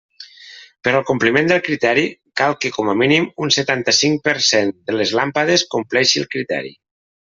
Per al compliment del criteri cal que com a mínim un setanta-cinc per cent de les làmpades compleixi el criteri.